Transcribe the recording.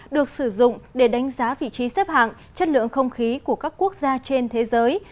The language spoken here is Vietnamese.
được sử dụng để đánh giá vị trí xếp hạng chất lượng không khí của các quốc gia trên thế giới